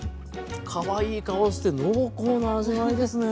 かわいい顔して濃厚な味わいですね。